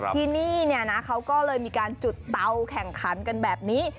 ที่นี่เนี่ยนะเขาก็เลยมีการจุดเตาแข่งขันกันแบบนี้